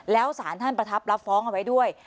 แล้วสารท่านประทับแล้วฟ้องไว้ด้วย